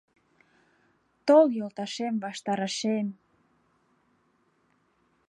Тол, йолташем, ваштарешем